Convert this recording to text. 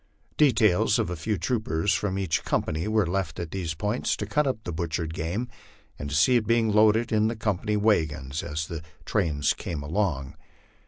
Details of a few troopers from each company were left at these points to cut up the butchered game and see to its being loaded in the company wagons as the trains camo along.